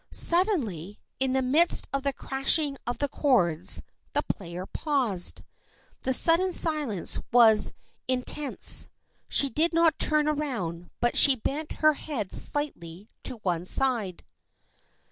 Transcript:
Suddenly, in the midst of the crashing of chords, the player paused. The sudden silence was in THE FKIENDSHIP OF ANNE 89 tense. She did not turn around but she bent her head slightly to one side.